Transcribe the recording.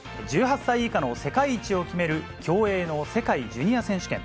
１８歳以下の世界一を決める競泳の世界ジュニア選手権。